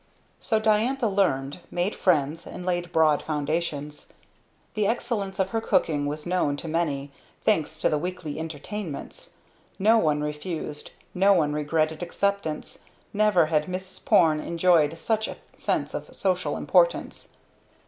So Diantha learned, made friends and laid broad foundations. The excellence of her cocking was known to many, thanks to the weekly "entertainments." No one refused. No one regretted acceptance. Never had Mrs. Porne enjoyed such a sense of social importance.